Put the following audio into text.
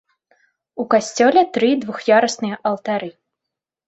У касцёле тры двух'ярусныя алтары.